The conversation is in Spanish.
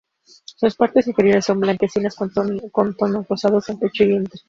Sus partes inferiores son blanquecinas, con tonos rosados en pecho y vientre.